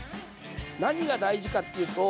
何が大事かっていうと。